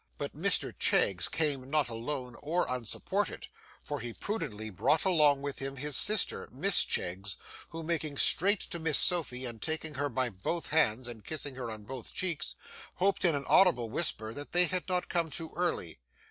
But Mr Cheggs came not alone or unsupported, for he prudently brought along with him his sister, Miss Cheggs, who making straight to Miss Sophy and taking her by both hands, and kissing her on both cheeks, hoped in an audible whisper that they had not come too early.